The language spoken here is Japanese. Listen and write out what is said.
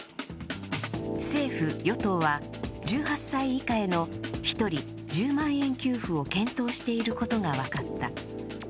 政府・与党は１８歳以下への１人１０万円給付を検討していることが分かった。